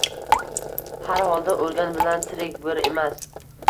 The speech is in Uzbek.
Har holda o'lgan bilan tirik bir emas.